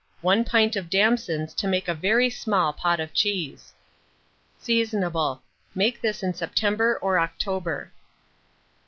1 pint of damsons to make a very small pot of cheese. Seasonable. Make this in September or October.